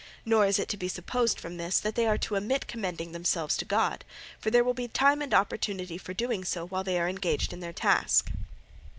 Nor is it to be supposed from this that they are to omit commending themselves to God, for there will be time and opportunity for doing so while they are engaged in their task."